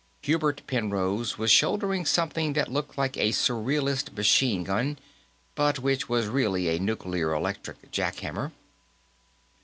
Hubert Penrose was shouldering something that looked like a surrealist machine gun but which was really a nuclear electric jack hammer.